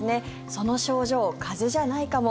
その症状、風邪じゃないかも？